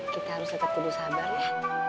kita harus tetap tumbuh sabar ya